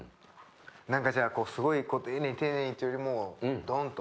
何かじゃあすごい丁寧に丁寧にというよりもどんと！